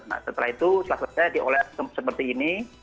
nah setelah itu selesai di oleh seperti ini